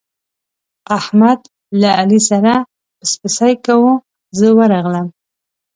احمد له علي سره پسپسی کاوو، زه ورغلم.